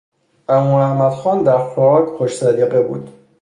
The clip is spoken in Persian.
عمو احمد خان در خوراک خوش سلیقه بود.